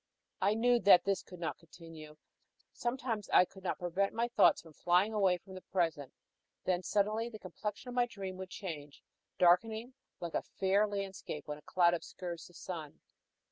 I knew that this could not continue. Sometimes I could not prevent my thoughts from flying away from the present; then suddenly the complexion of my dream would change, darkening like a fair landscape when a cloud obscures the sun.